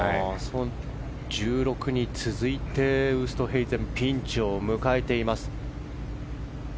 １６に続いてウーストヘイゼンはピンチを迎えています。